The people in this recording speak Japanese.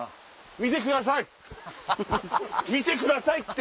見てくださいって！